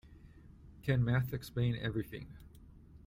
Can maths explain everything?